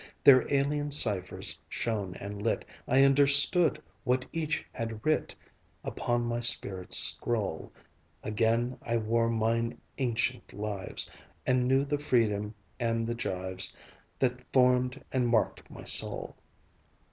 Their alien ciphers shown and lit, I understood what each had writ Upon my spirit's scroll; Again I wore mine ancient lives, And knew the freedom and the gyves That formed and marked my soul.